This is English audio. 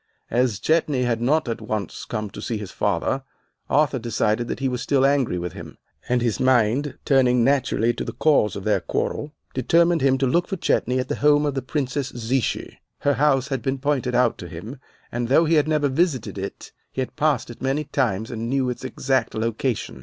As Chetney had not at once come to see his father, Arthur decided that he was still angry with him, and his mind, turning naturally to the cause of their quarrel, determined him to look for Chetney at the home of the Princess Zichy. "Her house had been pointed out to him, and though he had never visited it, he had passed it many times and knew its exact location.